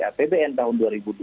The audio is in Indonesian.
apbn tahun dua ribu dua puluh